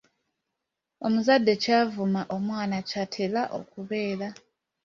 Omuzadde ky'avuma omwana ky'atera okubeera.